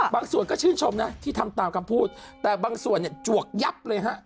บางส่วนก็ชื่นชมนะที่ทำตามคำพูดแต่บางส่วนเนี่ยจวกยับเลยฮะ